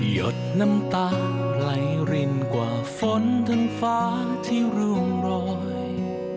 หดน้ำตาไหลรินกว่าฝนทั้งฟ้าที่ร่องรอย